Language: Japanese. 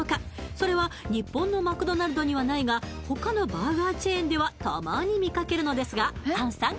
それは日本のマクドナルドにはないが他のバーガーチェーンではたまに見かけるのですが杏さん